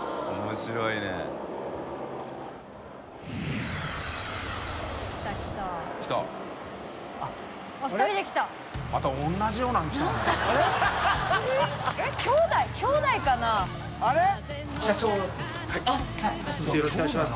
垢澆泙擦よろしくお願いします